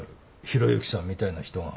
広行さんみたいな人が。